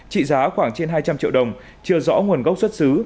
trị giá khoảng trên hai trăm linh triệu đồng chưa rõ nguồn gốc xuất xứ